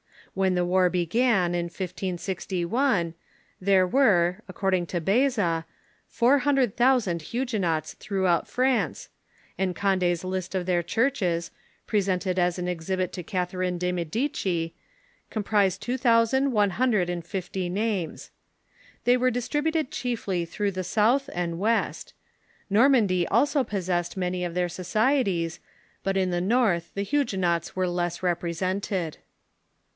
When the Avar began, in 1561, there Avere, accord ing to Beza, four hundred thousand Huguenots throughout France, and Conde's list of their churches, presented as an ex hibit to Catharine de' Medici, comprised two thousand one hun dred and fifty names. They were distributed chiefly through the south and west. Normandy also possessed many of their societies, but in the north the Huguenots Avere less repre sented.